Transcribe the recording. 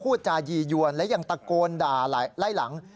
จายียวนและยังตะโกนด่าไล่หลัง